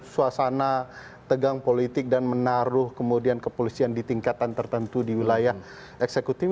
suasana tegang politik dan menaruh kemudian kepolisian di tingkatan tertentu di wilayah eksekutif